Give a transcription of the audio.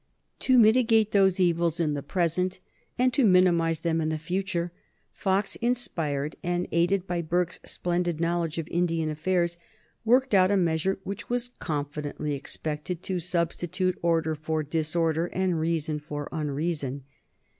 To mitigate those evils in the present, and to minimize them in the future, Fox, inspired and aided by Burke's splendid knowledge of Indian affairs, worked out a measure which was confidently expected to substitute order for disorder and reason for unreason.